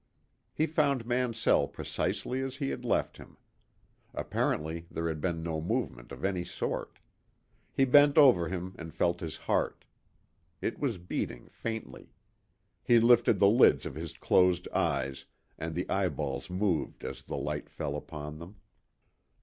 He found Mansell precisely as he left him. Apparently there had been no movement of any sort. He bent over him and felt his heart. It was beating faintly. He lifted the lids of his closed eyes, and the eyeballs moved as the light fell upon them.